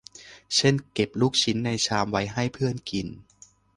เช่น เก็บลูกชิ้นในชามไว้ให้เพื่อนกิน